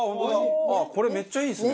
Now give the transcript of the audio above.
これめっちゃいいですね。